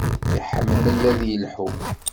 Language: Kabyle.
Iḥemmel ad yelḥu.